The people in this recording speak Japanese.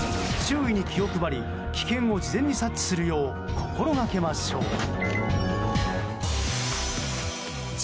周囲に気を配り危険を事前に察知するよう心がけましょう。